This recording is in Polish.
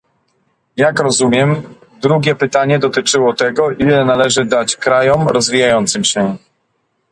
Jak rozumiem, drugie pytanie dotyczyło tego, ile należy dać krajom rozwijającym się